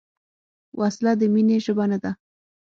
وسله د مینې ژبه نه ده